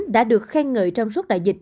đã được khen ngợi trong suốt đại dịch